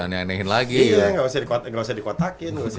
ya gak usah dikotakin